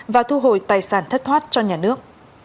và thu hồi tài sản thất thoát cho nhà nước